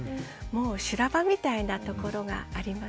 もう修羅場みたいなところがありますよね。